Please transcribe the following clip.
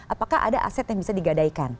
apakah ada aset yang bisa digadaikan